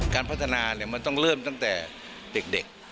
การพัฒนามันต้องเริ่มตั้งแต่เด็ก